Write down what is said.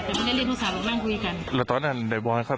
แต่ไม่ได้เรียนโทรศาสตร์ต้องนั่งคุยกันแล้วตอนนั้นได้บอกไงครับ